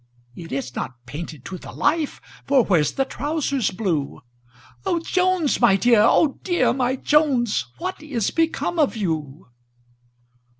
It is not painted to the life, For Where's the trousers blue? O Jones, my dear! â Oh, dearl my Jones, What is become of you?"